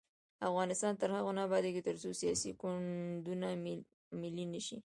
افغانستان تر هغو نه ابادیږي، ترڅو سیاسي ګوندونه ملي نشي.